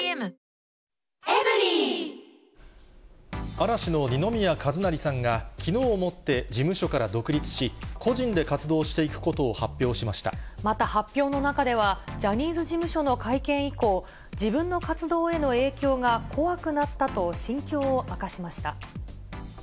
嵐の二宮和也さんが、きのうをもって事務所から独立し、個人で活動していくことを発表しまた、発表の中では、ジャニーズ事務所の会見以降、自分の活動への影響が怖くなったと心境を明かしました。